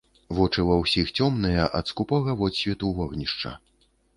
Вочы ва ўсіх цёмныя ад скупога водсвету вогнішча.